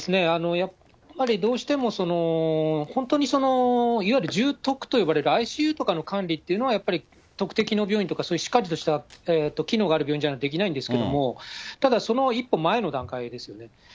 やっぱり、どうしても本当に、いわゆる重篤といわれる、ＩＣＵとかの管理というのはやっぱり、特定機能病院とか、そういうしっかりとした機能ある病院じゃないとできないんですけれども、ただ、その一歩前の段階ですよね。